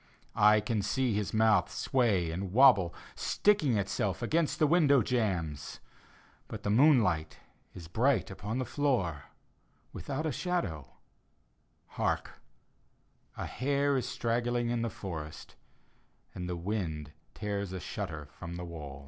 I can see his mouth sway and wobble, Sticking itself against the window jambs. But the moonlight is bright on the floor. Without a shadow. Hark I A bare is strangling in the forest, And the wind tears a shutter from the wall.